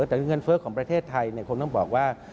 แต่เงินเฟ้อของประเทศไทยคงต้องบอกว่า